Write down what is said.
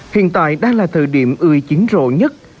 hiện tại đang là thời điểm ươi chiến rộ nhất